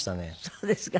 そうですか。